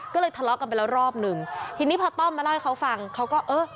ก็เลยทะเลาะกันไปแล้วรอบหนึ่งทีนี้พอต้อมมาเล่าให้เขาฟังเขาก็เออ